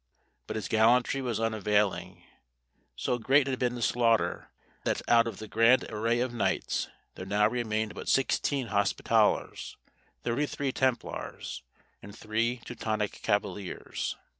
But his gallantry was unavailing. So great had been the slaughter, that out of the grand array of knights, there now remained but sixteen Hospitallers, thirty three Templars, and three Teutonic cavaliers.